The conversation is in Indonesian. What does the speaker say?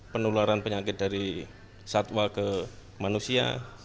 penularan penyakit dari satwa ke manusia